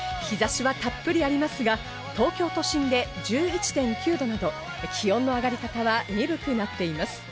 日差しはたっぷりありますが、東京都心で１１．９度など気温の上がり方は鈍くなっています。